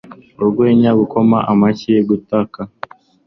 Urwenya gukoma amashyi gutaka